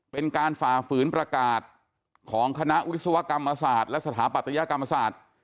ฝ่าฝืนประกาศของคณะวิศวกรรมศาสตร์และสถาปัตยกรรมศาสตร์